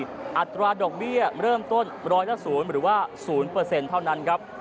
ทันทีอัตราดอกเวียเริ่มต้น๑๐๐หรือว่า๐เท่านั้นครับ